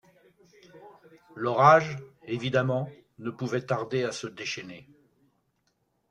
L’orage, évidemment, ne pouvait tarder à se déchaîner